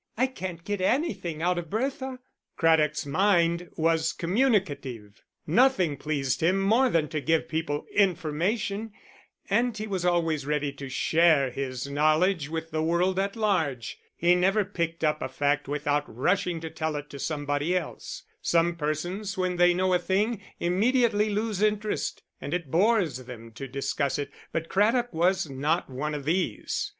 I can't get anything out of Bertha." Craddock's mind was communicative, nothing pleased him more than to give people information, and he was always ready to share his knowledge with the world at large. He never picked up a fact without rushing to tell it to somebody else. Some persons when they know a thing immediately lose interest and it bores them to discuss it, but Craddock was not of these.